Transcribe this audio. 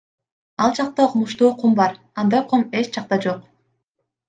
Ал жакта укмуштуу кум бар, андай кум эч жакта жок!